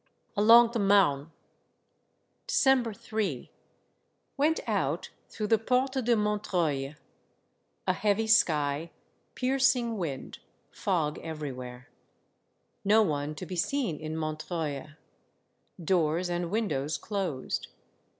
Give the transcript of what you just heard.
ALONG THE MARNE. December ^i. — Went out through the Porte de Montreuil. A heavy sky, piercing wind, — fog everywhere. No one to be seen in Montreuil. Doors and windows closed.